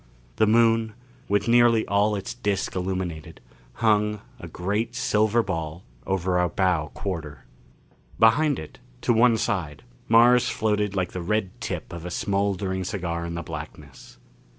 The Moon, with nearly all its disc illumined, hung, a great silver ball, over our bow quarter. Behind it, to one side, Mars floated like the red tip of a smoldering cigar in the blackness.